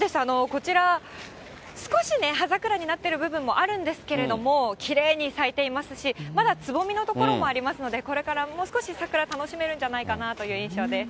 こちら、少しね、葉桜になってる部分もあるんですけれども、きれいに咲いていますし、まだつぼみの所もありますので、これからもう少し桜楽しめるんじゃないかなという印象です。